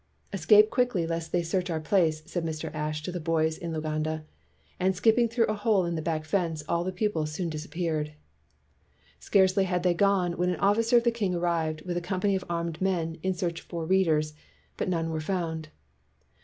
"Escape quickly lest they search our place," said Mr. Ashe to the boys in Lu ganda; and skipping through a hole in the back fence, all the pupils soon disappeared. Scarcely had they gone, when an officer of the king arrived with a company of armed men in search for "readers," but none were found.